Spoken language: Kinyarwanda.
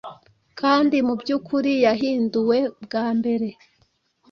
kandi mubyukuri yahinduwe bwa mbere